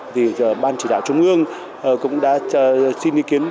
thì ban chỉ đạo trung ương cũng đã xin ý kiến